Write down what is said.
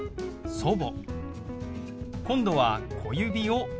「祖母」。